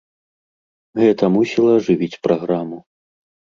Гэта мусіла ажывіць праграму.